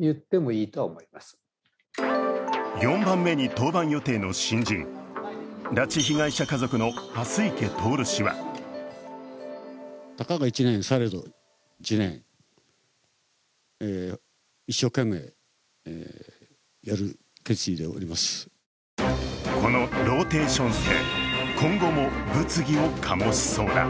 ４番目に登板予定の新人拉致被害者家族の蓮池透氏はこのローテーション制、今後も物議を醸しそうだ。